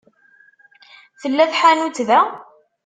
Tella tḥanutt da?